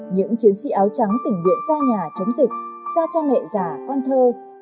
những chiến sĩ áo trắng tỉnh nguyện ra nhà chống dịch xa cha mẹ già con thơ